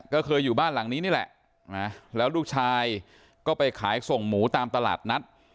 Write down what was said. ก็เคยอยู่บ้านหลังนี้นี่แหละแล้วลูกชายก็ไปขายส่งหมูตามตลาดนัด